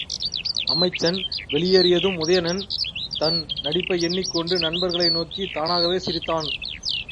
அமைச்சன் வெளியேறியதும் உதயணன், தன் நடிப்பை எண்ணிக் கொண்டு நண்பர்களை நோக்கித் தானாகவே சிரித்தான்.